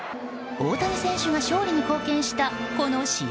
大谷選手が勝利に貢献したこの試合